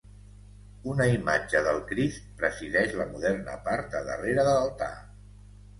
Una imatge del Crist presideix la moderna part de darrere de l'altar.